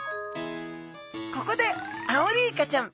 ここでアオリイカちゃん